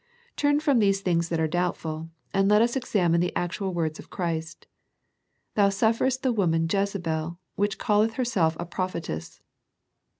Turn from these things that are doubtful, and let us examine the actual words of Christ. " Thou sufferest the woman Jezebel, which calleth herself a prophetess."